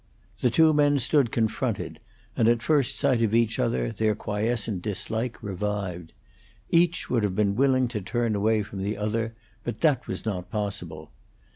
The two men stood confronted, and at first sight of each other their quiescent dislike revived. Each would have been willing to turn away from the other, but that was not possible.